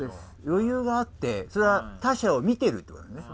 余裕があってそれは他者を見てるってことだよね。